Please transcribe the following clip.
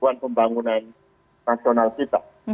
untuk pembangunan nasional kita